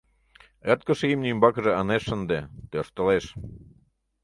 Ӧрткышӧ имне ӱмбакыже ынеж шынде: тӧрштылеш.